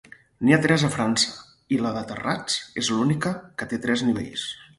N'hi ha tres a França, i la de Terrats és l'única que té tres nivells.